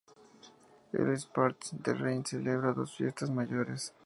Els Prats de Rei celebra dos fiestas mayores.